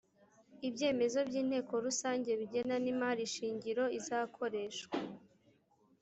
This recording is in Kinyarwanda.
ibyemezo by’inteko rusange bigena n’imari shingiro izakoreshwa